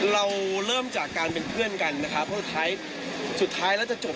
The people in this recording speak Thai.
เราไม่คือเจอตากำลังยานหรือว่าได้พูดคุยอะไรของเขาเลยใช่ไหมครับ